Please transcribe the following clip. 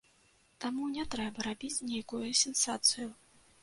Таму не трэба рабіць нейкую сенсацыю.